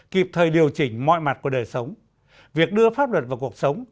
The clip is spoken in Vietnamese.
kịp thời điều chỉnh mọi mặt của đời sống việc đưa pháp luật vào cuộc sống